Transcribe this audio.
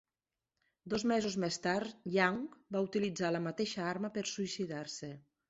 Dos mesos més tard, Young va utilitzar la mateixa arma per suïcidar-se.